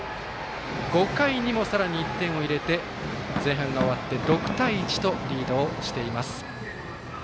５回にも、さらに１点を入れて前半が終わって６対１とリードをしています。